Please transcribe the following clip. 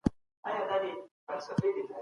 هغې د مخابراتو له لارې معلومات اخیستل.